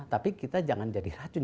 tapi kita jangan jadi racun